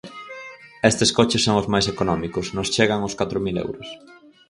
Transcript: Estes coches son os máis económicos, nos chegan aos catro mil euros.